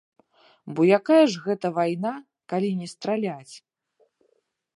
Бо якая ж гэта вайна, калі не страляць?!